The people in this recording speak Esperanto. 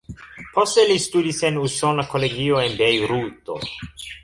Poste li studis en Usona Kolegio en Bejruto.